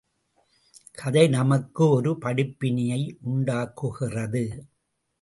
கதை நமக்கு ஒரு படிப்பினையை உண்டாக்குகிறது.